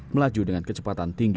melaju dengan kecepatan tinggi